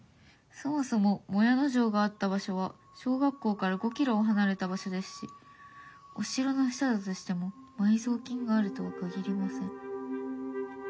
そもそも靄野城があった場所は小学校から５キロ離れた場所ですしお城の下だとしても埋蔵金があるとは限りません」。